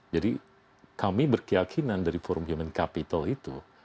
jadi kami berkeyakinan dari forum human capital itu